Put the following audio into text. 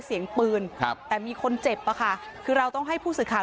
เสียงปืนครับแต่มีคนเจ็บอะค่ะคือเราต้องให้ผู้สื่อข่าว